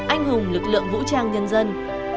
anh hùng lực lượng vũ trang nhân dân